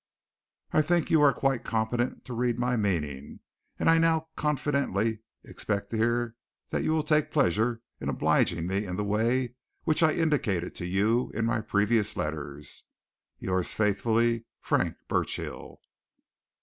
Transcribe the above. "I think you are quite competent to read my meaning, and I now confidently expect to hear that you will take pleasure in obliging me in the way which I indicated to you in my previous letters. "Yours faithfully, "FRANK BURCHILL."